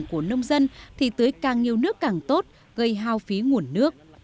nếu tưới cà phê là hệ thống của nông dân thì tưới càng nhiều nước càng tốt gây hào phí nguồn nước